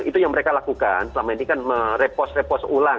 itu yang mereka lakukan selama ini kan merepos repost ulang